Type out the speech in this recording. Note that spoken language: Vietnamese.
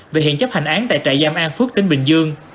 về hiện chấp hành án tại trại giam an phước tỉnh bình dương